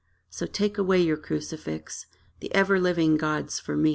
So take away your crucifix The everliving gods for me!